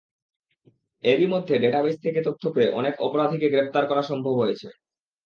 এরই মধ্যে ডেটাবেইস থেকে তথ্য পেয়ে অনেক অপরাধীকে গ্রেপ্তার করা সম্ভব হয়েছে।